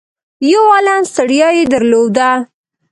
يو عالُم ستړيا يې درلوده.